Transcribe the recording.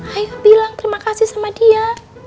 ayo bilang terima kasih sama dia